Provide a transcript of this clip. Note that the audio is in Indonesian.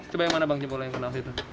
coba yang mana bang jempol yang kenal situ